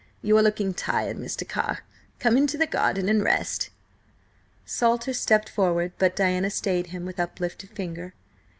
You are looking tired, Mr. Carr; come into the garden and rest." Salter stepped forward, but Diana stayed him with uplifted finger.